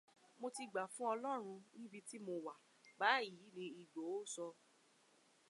Mo ti gbà fún Ọlọ́run níbi tí mo wà báyìí ni Ìgbòho sọ.